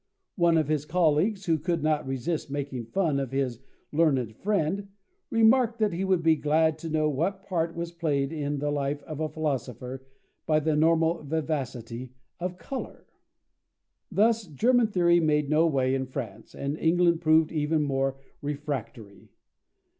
One of his colleagues, who could not resist making fun of his learned friend, remarked that he would be glad to know what part was played in the life of a philosopher by the normal vivacity of colour! Thus German theory made no way in France, and England proved even more refractory.